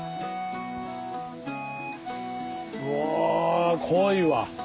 うわ濃いわ。